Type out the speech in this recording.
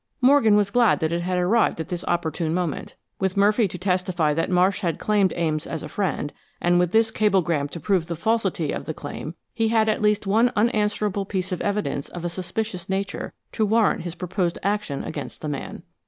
Morgan was glad that it had arrived at this opportune moment. With Murphy to testify that Marsh had claimed Ames as a friend, and with this cablegram to prove the falsity of the claim, he had at least one unanswerable piece of evidence of a suspicious nature to warrant his proposed action against the man.